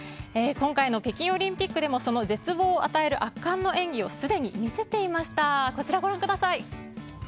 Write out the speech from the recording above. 今回の北京オリンピックでもその絶望を与える圧巻の演技をすでに見せていました。